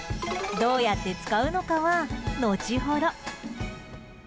どうやって使うのかは、後ほど。